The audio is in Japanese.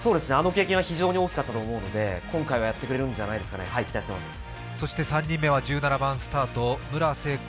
そうですね、あの経験は非常に大きかったと思うので今回はやってくれるんじゃないですかね、期待しています。